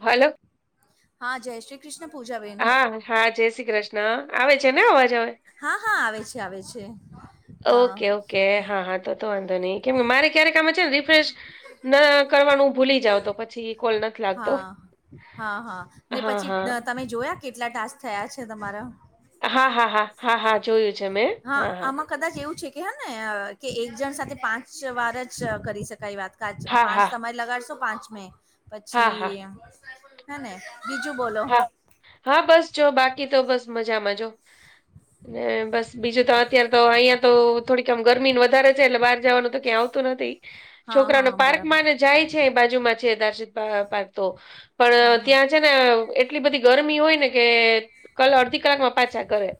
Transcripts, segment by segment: હાલો. હા, જય શ્રી કૃષ્ણ પૂજાબેન. હા હા, જય શ્રી કૃષ્ણ, આવે છે ને અવાજ હવે? હા, હા, આવે છે, આવે છે. હા. ઓકે ઓકે હા, હા, તો તો વાંધો નઈ, કેમકે મારે ક્યારેક આમાં છે ને, રિફ્રેશ ન કરવાનું. ભૂલી જાાવ તો, પછી કોલ નથી લાગતો. હા, હા, હા ને, હા પછી હા તમે જોયા કેટલા ટાસ્ક થયા છે તમારા? હા, હા, હા, હા, હા જોયું છે, મેં હા, હા. કદાચ એવું છે કે, હે ને કે, એ એજન્ટ સાથે પાંચ વાર જ કરી શકાય વાત. કાચ હા પાંચ હા તમારી લગાડશો, પાંચમે હા હા હા પછી હે ને. બીજું બોલો. હા હા, બસ જો બાકી તો બસ મજામાં જો. ને બસ બીજું તો, અત્યારે તો અહિયાં તો થોડીક ગરમી વધારે. એટલે બહાર જવાનું તો ક્યાં આવતું નથી, હા છોકરાને હા પાર્ક બરાબર મા ને જાય છે, બાજુ માં છે, દારશન પા તો હા પણ હા ત્યાં છે ને એટલી બધી ગરમી હોય ને કે, કલ અડધી કલાકમાં પાછા ઘરે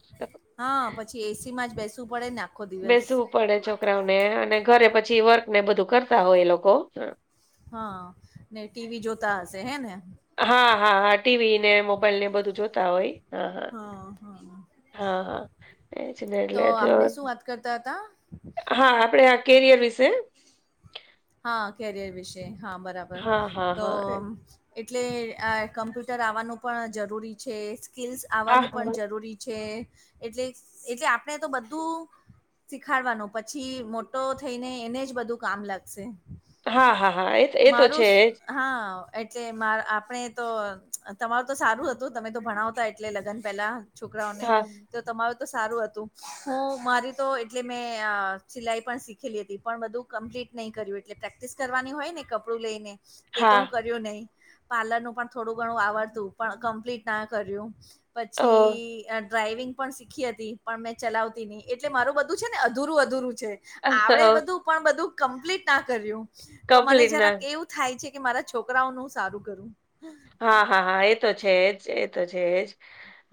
હા, પછી એસી માં જ બેસવું પડે ને. આખો દિવસ બેસવું પડે, છોકરાઓને અને ઘરે પછી વર્ક ને બધું કરતા હોય એ લોકો. હા ને, ટીવી જોતા હશે હે ને. હા, હા, હા ટીવી ને, મોબાઈલ ને બધું જોતા હોય. હા, હા, હા હા એજ ને તો એટલે આપણે શું વાત કરતા હતા? હા, આપડે આ કેરિયર વિશે? હા, કેરિયર વિશે, હા બરાબર હા હા તો. હા એટલે કમ્પ્યુટર આવવાનું પણ જરૂરી છે, સ્કિલ્સ આવવાનું હા પણ જરૂરી છે, એટલે એટલે આપણે તો બધું શીખાડવાનો પછી મોટો થઈને, એને જ બધું કામ લાગશે. હા, હા, હા, એ એ તો મારું છે જ. હા, એટલે મા આપણે તો તમારું તો સારું હતું, તમે તો ભણાવતા એટલે લગ્ન પહેલા છોકરાઓને. હા, તો તમારું તો સારું હતું, હું મારી તો એટલે મેં સિલાઈ પણ શીખ પણ બધું કમ્પ્લીટ નહી કરે, એટલે પ્રેક્ટિસ કરવાની હોય ને, કપડું લઈને તે તો હા, હું પાર્લર ન પણ થોડુંણું આવડતું, પણ કમ્પટ ના કર અ પછી ડ્રાઈવિંગ. પણ શીખી હતી, પણ મેં ચલાવતી નહી, એટલે મારું બધું છે, ને અધુરું-અધુરું છે આવડે બધું બધું કમ્પલીટ ના કર્યું, તો મ કપલીના જવું થાય છે કે, મારા છોકરાઓનું હું સારું કરું. હા, હા, હા એ તો છે જ, એ તો છેજ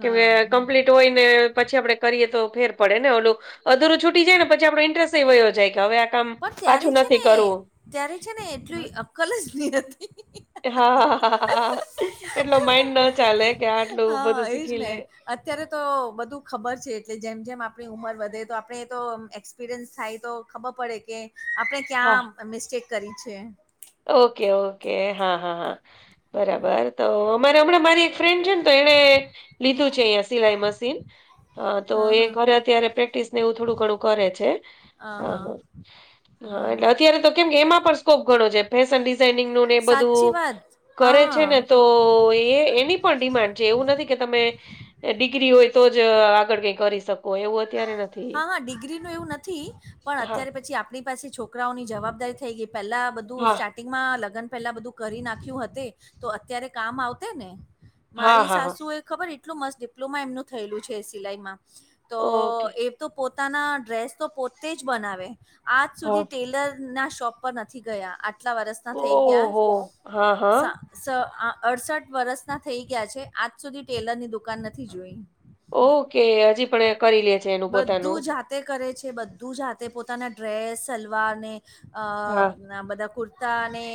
કેમ હા. કમ્પ્લીટ હોય ને, પછી આપણે કરીએ તો, ફેર પડે ને ઓ લોકો અધૂરું છૂટી જાય ને, પછી આપડો ઇન્ટરેસ્ટ એ વયો જાય કે, હવે આ કામ પણ ત્યારે પાછું છે નથી ને કરવું. ત્યારે છે ને, એટલી અક્કલ જ નહી હતી. હા, હા, હા, હ, એટલો માઈન્ડ ન ચાલે કે, આટલું હા બધું એજ શીખી ને લે. અત્યારે તો બધું ખબર છે, એટલે જેમ-જેમ આપણી ઉંમર વધે તો આપણે તો એક્સપિરિયન્સ થાય તો ખબર પડે કે, આપણે ક્યાં હા, મિસ્ટેક કરી છે. ઓકે ઓકે હા હા હા, બરાબર તો મારે હમણાં મારી એક ફ્રેન્ડ છે ને તો એણે લીધું છે અંયા સિલાઈ મશીન. હા તો એ ઘરે અત્યારે પ્રેક્ટિસ ને એવું થોડું ઘણું કરે છે. હા હા હા, હા એટલે હા અત્યારે તો કેમ કે એમાં પણ સ્કોપ ઘણો છે ફેશન ન ને એ સાચી બધું વાત કરે છે હા. ને, તો એની પણ ડિમાન્ડ છે એવું નથી કે તમે, ડિગ્રી હોય તો જ આગળ કઈ કરી શકો. એવું અત્યારે નથી હા હા ડિગ્રી નું એવું નથી, પણ હા અત્યારે પછી આપણી પાસે છોક છોકરાઓની જવાબદારી થઈ ગઈ પેલા બધું હા સ્ટાર્ટ માં લગ્ન પેલા બધું કરી નાખ્યું હત, તો અત્યારે કામ આવ ને. હા મારી હા હા સાસુ એ ખબર એટલું મસ્ત ડિપ્લોમા એમનું થયેલું છે એ સિલાઈમાં, તો ઓકે એ તો પોતાના ડ્રેસ તો પોતે જ બનાવે, આજ હા સુધી ટેલર ના શોપ પર નથી ગયા આટલા વરસના થઈ ગયા, ઓહો હા હા સા અડસઠ વરષ ના થઈ ગયા છે આજ સુધી ટેલરની દુકાન નથી જોઈ. ઓકે હજી પણ કરી લે? છે એનું પોતાનું બધું જાતે કરે છે બધું જાતે પોતાના ડ્રેસ સલવાર ને હા અ બધા કુર્તા અને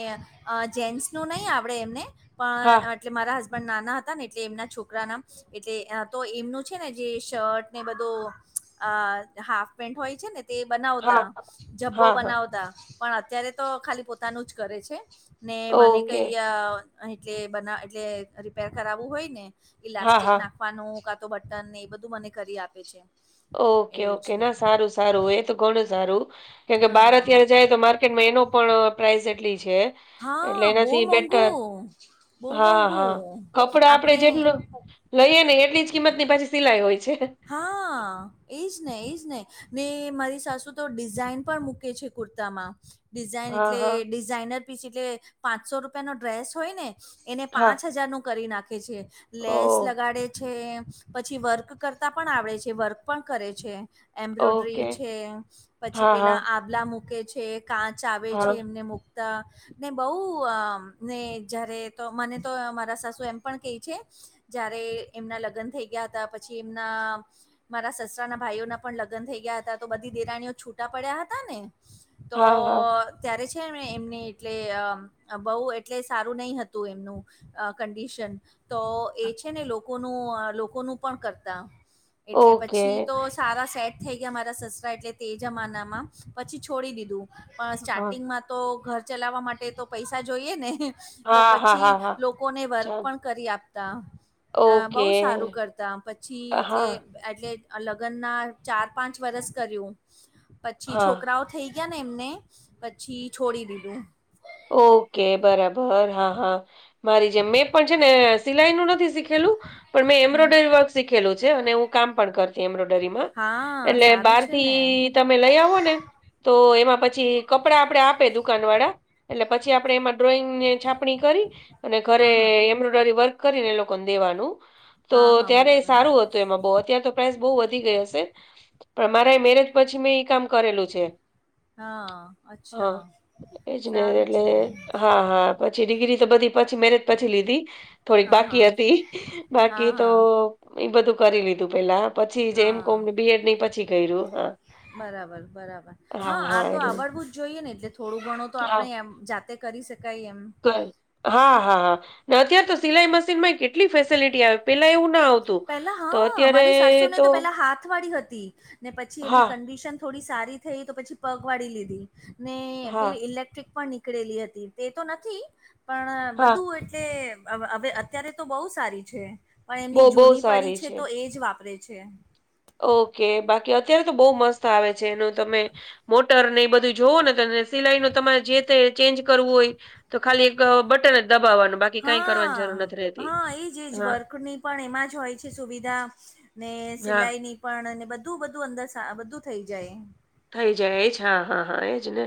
જેન્ટસ નું નહી આપડે એમને. હા પણ એટલે મારા હસબન્ડ નાના હતા ને એટલે એમના છોકરાના એટલે તો એમનું છે ને જે શર્ટ ને બધો અ હાફ પેન્ટ હોય છે ને તે બનાવતા, હા જબ્બો હા હા બનાવતા. પણ અત્યારે તો ખાલી પોતાનું જ કરે છે, ને મને ઓકે કઈ એટલે બના એટલે રિપેર કરાવવું હોય ને, હા ઇલાસ્ટિક હા નાખ વાનું કા તો બટન એ બધું મને કરી આપે છે. ઓકે એવું ઓકે છે ના સારું સારું એ તો ઘણું સારું, કેમ કે બાર હા અત્યારે જાય તો મા ડ એનો પણ પ્રાાઈસ એટલી છે. એટલે હા બહુ એનાથી બેટર, મોંઘું બહુ હા હા, મોંઘું કપડા આપડે આપણે જેટલું લઈએ નને એટલી જ કિંમત ની પછી સિલાઈ હોય છે. હા. એજ ને એજ ને ને, મારી સાસુ તો ડિઝાઈન પણ મૂકે છે કુર્તામાં. ડિઝાઇન હા, એટલે હા, ડિઝાઇનર પીસ એટલે પાંચસો રૂપિયાનોો ડ્રેસ હોય ને. એને હા. પાંચ હજાર નું કરી નાખે છે, લેસ ઓહ! લગાડે છે, પછી વર્ક કરતા પણ આવડે છે વર્ક પણ કરે છે, એમ્બ્રોડરી ઓકે. છે, પછી હા, હા, પેલા તબલા મૂકે છે કાચ આવે છે હા, એમને મૂકતા. ને બહુ ને જારે તો મને તો મારા સાસુ એમ પણ કહી છે. જયારે એમના લગ્ન થઈ ગયા હતા પછી એમના. મારા સસરા ના ભાઈઓના પણ લગ્ન થઈ ગયા હતા તો બધી દેરાણીઓ છૂટા પડ્યા હતા ને. તો હા, હા. ત્યારે છે એમને એટલે અ બહુ એટલે સારું નહિ હતું એમનું. કંડિશન, તો એ હા. છે ને લોકોનું લોકોનું કરતા, એટલે ઓકે. પછી તો સારા સેટ થ ગયા મારા સસરા એટલે તે જમાનામાં, પછી છોડી દીધું, પણ હા, સ્ટાર્ટિંગમાં તો ઘર ચલાવવા માટે તો પૈસા જોઈએ ને, તો હા, હા, પછી હા, હા. લોકોને વર્ક ચાલ પણ કરી આપતા, બહ ઓકે. સારું કરતા. પછી હા, એટલે એટલે લગ્ન ના ચાર પાંચ વરસ કર્યું. પછી હા. છોકરાઓ થઈ ગયા ને એમને, પછી છોડી દીધું. ઓકે બરાબર હા હા. મારી જેમ. મેં પણ છે ને સિલાઈ નું નથી શીખેલું, પણ મેં હમ એમ્બ્રોઇડરી વર્કસ શીખેલો છે અને હું કામ પણ કરતી એમ્બ્રોડરીમાં. હા એટલે સારું છે ને બહારથી તમ તમે લઈ આવો ને તો એમાં પછી કપડા આપણે આપે દુકાન વાળા, એટલે પછી આપડે એમાં ડ્રોઈંગ ને છાપણી કરી, અને ઘરે હા હા એમ્બ્રોડરી વર્ક કરીને એ લોકોન દેવાનું. તો હા હા ત્યારે બરાબર સારું હતું એમાં બહુ. અત્યારે તો પ્રાઈઝ બહું વધી ગઈ હશે. પણ મારાઈ મેરેજ પછી મેં ઈ કામ કરેલું છે. હા, અચ્છા. છે ને સારું છે એટલે, હા, હા. પછી ડિગ્રી તો બધી પછી મેરેજ પછી લીધી, થોડીક હા હા બાકી હતી ઈ. હા બાકી તો હા ઈ બધું કરી લીધું પહેલા. પછી જે એમ કોમને, બી એડ ને ઈ પછી કઈરું, હા. બરાબર-બરાબર. હા આ તો આવડવું જ જોઈએ ને એટલે થોડું ઘણું તો હા આપણે એમ જાતે કરી શકાય એમ. [unintelligible] હા, હા, હા. ને અત્ય્યારે તો સિલાઈ મશીન માં કેટલી ફેસિલિટી આવે, પેલા એવું ના આવ પહેલા હા. મારી સાસુ ને તો પેલા હાથ વાળી હતી, ને પછી એમની હા કંડીશન થોડી સારી થઈ તો પછી પગ વાળી લીધી. ને હા પેલી ઇલેક્ટ્રિક પણ નીક કળેલી હતી, તે તો નથી. પણ હા બધું એટલે હવ હવે અત્યારે તો બહુ સારી છે. બહું-બહું સારી છે. એજ વાપરે છે. ઓકે. બાકી અત્યારે તો બહુ મસ્ત આવે છે. એનું તમે મોટર ને ઈ બધું જોવો ને તો [unintelligible] સિલાઈનું તમારે જે તે ચેન્જ કરવું હોય, તો ખાલી એક બટન જ દબાવવાનું. બાકી કાંઈ કરવાની જરૂર હા નથ રહેતી. હા ઈ જ, ઈ જ. હા વર્કની પણ એમાં જ હોય છે સુવિધા, ને હા સિલાઈની પણ અને બધું-બધું અંદર સા બધું થઈ જાય. થઈ જાય એજ, હા, હા, હા એજ ને.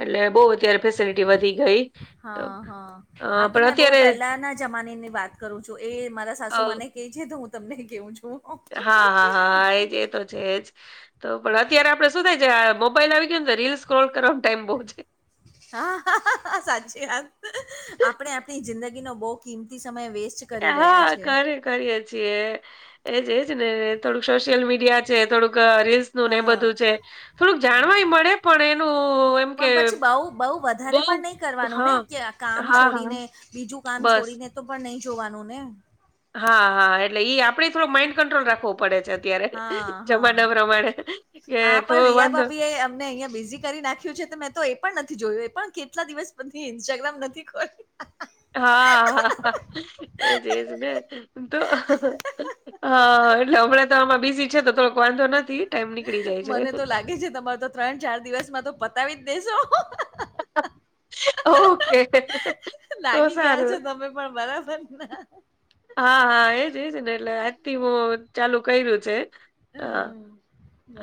એટલે બહું અત્યારે ફેસીલિટી વધી ગઈ. હા હા અહ આ તો પણ મેં બહુ અત્યારે પહેલાના જમાનેની વાત કરું છું, એ મારા અ સાસુમાં ને કેઈ છે તો હું તમને કેવું છું. હા, હા, હા, હા એજ. એ તો છે એજ. તો પણ અત્યારે આપણે શું થાય છે આ મોબાઈલ આવી ગયું ને તો રીલ સ્ક્રોલ કરવામ ટાઈમ બહુ જાય. હા. સાચી વાત. આપણે આપણી જિંદગીનો બહુ કિંમતી સમય વેસ્ એટલે હા, કર કરીએ છીએ. એજ-એજ ને. થોડું સોશિયલ મીડિયા છે થોડુંક રીલ્સનું ને એ હા બધું છે. થોડુંક હા જાણવાય મળે પણ એનું એમ કે પણ પછી બહુ-બહુ બઉ વધારે પણ નહીં કરવાનું હા ને. કે આ કામ હા હા. છોડીને, બીજું કામ બસ છોડીને તો પન નહીં જોવાનું ને. હા, હા. એટલે ઈ આપણેે જ થોડોક માઈન્ડ કંટ્રોલ રાખવો પડે છે અત્યારે હા હા જમાના પ્રમાણે. કે આ તો પણ વાંધો રિયાભાભી એ અમને અહિયાં બેઝિક કરી નાખ્યું છે, તો મેં તો એ પણ નથી જોયું. એ પણ કેટલા દિવસ પછી ઇન્સ્ટાગ્રામ નથી ખોલ્યું. હા, હા, એજ-એજ ને. તો હા. એટલે હમણાં તો આમાં બીઝી છે, તો થોડોક વાંધો નથી. ટાઈમ નીકળી જાય મને છે. તો લાગે છે તમાર તો ત્રણ-ચાર દિવસમાં તો પતાવી જ દેશો. ઓકે. તો લાગી ગયા સારું. છો તમે પણ બરાબર ના હા, હા એજ-એજ ને. એટલે આજ થી [unintelligible] ચાલુ કઈરું છે હા. હમ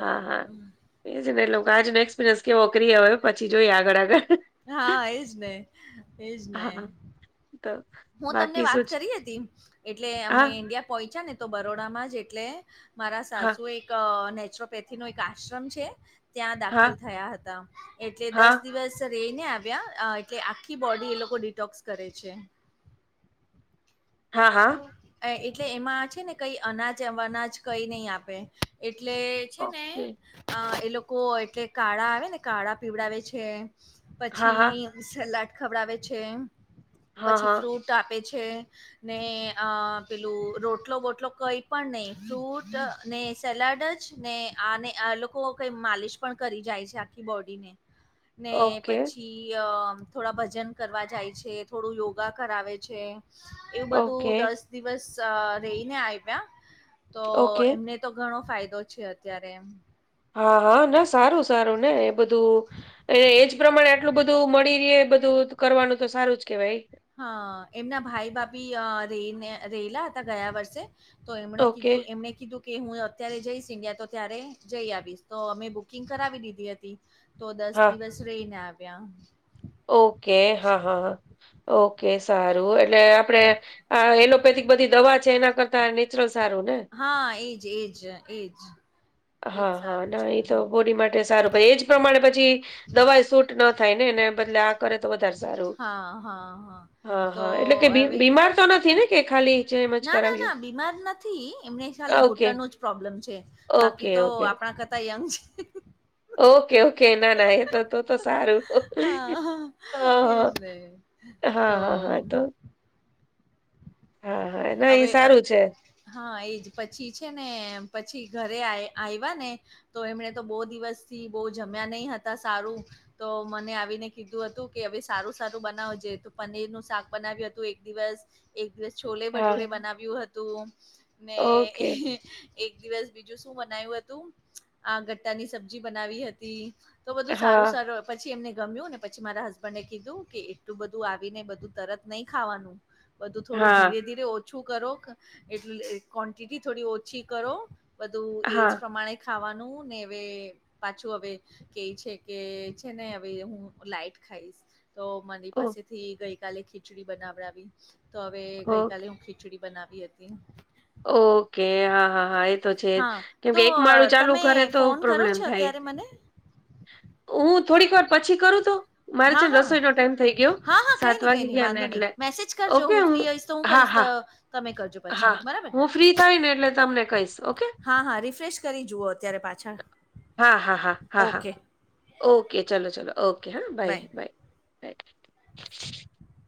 હા, હા. એ જ ને. [unintelligible] ને એક્સપિરિયન્સ કેવો કરીએ હવે પછી જોઈ આગળ-આગળ. હા એજ ને, એજ ને. હા તો. હું તમને બાકી વાત શું છે? કરી હતી, એટલે હા અમે ઈન્ડિયા પોહોંચ્યા ને તો બરોડામાં જ એટલે. મારા હા સાસુ એક નેચરોપેથી નો એક આશ્રમ છે. ત્યાં હા દાખલ થયા હતા, એટલે હા દસ દિવસ એઈને આવ્યા, એટલે આખી બોડી એ લોકો ડિટોક્સ કરે છે. હા, હા. એટલે એમાં છે ને, કંઈ અનાજ અનાજ કંઈ નહીં આપે એટલે. છે ને, ઓકે એ લોકો એટલે કાળા આવે ને, કાળા પીવડાવે છે. હા હા પછી સલાડ ખવડાવે છે, હા પછી હા ફ્રૂટ આપે છે. ને પેલું રોટલો બોટલો કંઈ પણ નહીં, ફ્રૂટ ને સેલાડ જ. ને આ લોકો કઈ માલિશ પણ કરી જાય છે, આખી બોડી ને. ને ઓકે પછી થોડા ભજન કરવા જાય છે, થોડું યોગા કરાવે છે. એવું ઓકે બધું દસ દિવસ રહીને આવ્યા તો, ઓકે એમને. તો ઘણો ફાયદો છે, અત્યારે એમ. હા, હા, ના સારું, સારું ને. બધું એ એજ પ્રમાણે આટલું બધું મળી રહી, બધું કરવાનું તો સારું જ કેવાય. હા, એમના ભાઈ ભાભી રને, રહેલા હતા ગયા વર્ષે. તો એમણે ઓકે કીધું, એમણે કીધું. કે હું અત્યારે જઈશ ઇન્ડિયા તો ત્યારે જઈ આવીશ તો, અમે બુકિંગ કરાવી દીધી હતી. તો દસ હા, દિવસ રહીને આવ્યા. ઓકે, એવું હા, છે હા, ઓકે, સારું એટલે આપડે આ એલોપેથિક બધી દવા છે, એના કરતાં નેચરલ સારું ને. હા, એજ, એજ, એજ. એજ હા, હા, સારું ના છે એ તો બોડી માટે સારું પ એજ. પ્રમાણે પછી દવાઈ સૂટ ન થાય ને, એ બદલે. કરે તો, વધારે સારું. હા હા હા, તો હા, એટલે કે બિ હવે બીમાર તો નથી ને કે, ખાલી જે એમ જ ક ના, ના, બીમાર ન થી એમને ખાલી ઓકે, ઘૂટણ નો જ પ્રોબ્લેમ છે, ઓકે, બાકી તો ઓકે. આપણા કરતા યંગ છે. ઓકે, ઓકે, એ ના ના એ તો તો તો. સારું, હ, હ, હા એજ હા, ને તો હા, હા, તો. હા, હા. ના એ અવે અ સારું છે. [unintelligible] હા, એજ પછી છે ને, પછી ઘરે આ આયવા ને. તો એમણે તો બો દિવસથી બો જમ્યા નય હતા, સારું. તો મને આવીને કીધું હતું કે, હવે સારું સારું બનાવ જે તો પનીરનું શાક બનાવ્યું હતું, એક દિવસ એક દિવસ છોલે હા, ભટુરે બનાવ્યું હતું ને. ઓકે. એક દિવસ બીજું શું બનાયવું અતું? આ ગટ્ટા ની સબ્જી બનાવી હતી. તો બધું સારું, હા, સારું. પછી એમને ગમ્યું ને, પછી મારા હસબન્ડે કીધું કે, એટલું બધું આવીને, બધું તરત નઇ ખાવાનું. બધું થોડું હા. ધીરે-ધીરે ઓછું કરો, એટલે ક્વોન્ટિટી થોડી ઓછી કરો. બધું એજ હા પ્રમાણે ખાવાનું ને, અવે પાછું અવે. કેય છે કે, છે ને અવે હું લાઈટ ખાઈશ. તો મારી ઓ પાસેથી ગઈકાલે ખીચડી બનાવડાવી તો, અવે ઓક ગઈકાલે હું ખી. ચડી બનાવી અતી. ઓકે હા હા હા એ તો છે જ. હા કેમકે તો એક માળું ચાલુ તમે કરે તો ફોન કરો પ્રોબ્લેમ છો થાય, અત્યારે મને ઉત થોડીક વાર પછી કરું તો મારે હા છે ને હા રસોઈ નો ટાઈમ થઈ ગયો, હા હા કઈ સાત નહી કઈ વાગી નહી ગયા ને વાંધો નહી એટલે. મેસેજ કરજો હું ફ્રી અઈશ તો હું હા કરીશ, ત હા તમે કરજો પછી હા બરાબર. ને હું ફ્રી થાય ને એટલે તમને કઇશ ઓકે. હા હા રિફ્રેશ કરી જુઓ અત્યારે પાછા હા હા હા હા હા ઓકે ઓકે ચલો ચલો ઓકે હા બાય બાય. [inaudible]